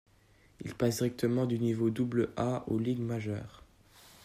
Il passe directement du niveau Double-A aux Ligues majeures.